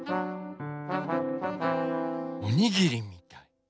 おにぎりみたい。